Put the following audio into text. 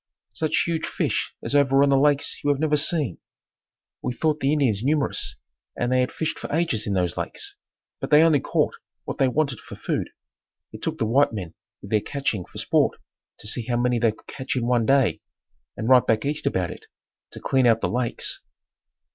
Such huge fish as overrun the lakes you have never seen. We thought the Indians numerous and they had fished for ages in those lakes, but they only caught what they wanted for food. It took the white men with their catching for sport to see how many they could catch in one day, and write back east about it, to clean out the lakes.